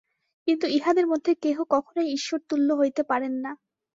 কিন্তু ইঁহাদের মধ্যে কেহ কখনই ঈশ্বরতুল্য হইতে পারেন না।